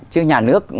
chứ nhà nước